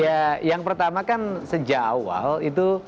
ya yang pertama kan sejak awal itu